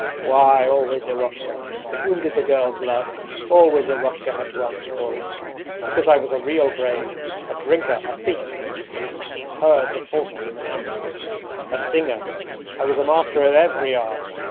Why, always Eroshka! Whom did the girls love? Always Eroshka had to answer for it. Because I was a real brave: a drinker, a thief (I used to seize herds of horses in the mountains), a singer; I was a master of every art!